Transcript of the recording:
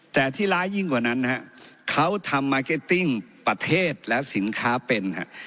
แต่ที่ร้ายยิ่งกว่านั้นนะฮะเขาทำมาร์เก็ตติ้งประเทศแล้วสินค้าเป็นฮะ